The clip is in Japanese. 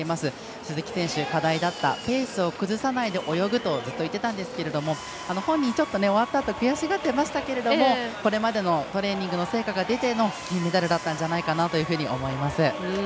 鈴木選手、課題だったペースを崩さないで泳ぐとずっといっていたんですが本人ちょっと終わったあと悔しがってましたけれどもこれまでのトレーニングの成果が出ての銀メダルだったんじゃないかなというふうに思います。